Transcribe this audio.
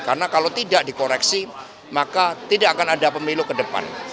karena kalau tidak dikoreksi maka tidak akan ada pemilu ke depan